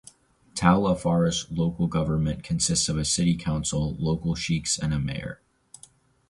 Tal Afar's local government consists of a city council, local sheikhs and a mayor.